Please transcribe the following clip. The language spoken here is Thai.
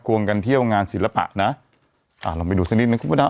วงกันเที่ยวงานศิลปะนะอ่าลองไปดูสักนิดหนึ่งคุณพระดำ